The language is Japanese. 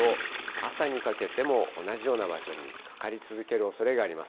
朝にかけても同じような場所にかかり続けるおそれがあります。